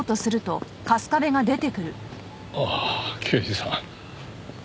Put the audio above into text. ああ刑事さん。